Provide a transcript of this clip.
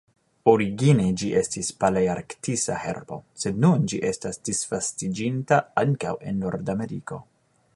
Origine ĝi estis palearktisa herbo sed nun ĝi estas disvastiĝinta ankaŭ en Nordameriko.